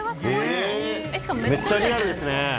めっちゃリアルですね